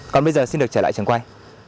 còn bây giờ xin được trở lại trường quay